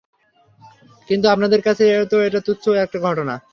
কিন্তু আপনাদের কাছে তো এটা তুচ্ছ একটা দুর্ঘটনা।